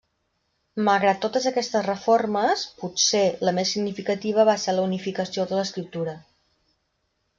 Malgrat totes aquestes reformes, potser, la més significativa va ser la unificació de l'escriptura.